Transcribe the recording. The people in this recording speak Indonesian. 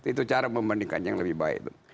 itu cara membandingkan yang lebih baik